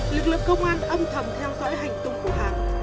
lực lượng công an âm thầm theo dõi hành tụng của hằng